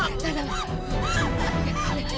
andrei kamu tunggu